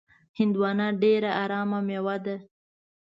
هندوانه ډېره ارامه میوه ده.